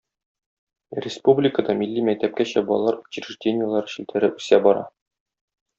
Республикада милли мәктәпкәчә балалар учреждениеләре челтәре үсә бара.